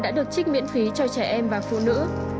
đã được trích miễn phí cho trẻ em và phụ nữ